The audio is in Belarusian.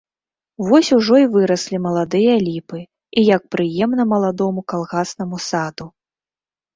Вось ужо і выраслі маладыя ліпы і як прыемна маладому калгаснаму саду!